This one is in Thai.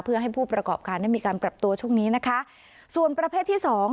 เพื่อให้ผู้ประกอบการได้มีการปรับตัวช่วงนี้นะคะส่วนประเภทที่สอง